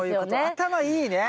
頭いいね。